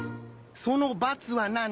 その「×」は何！？